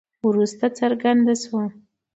وروسته څرګنده شوه.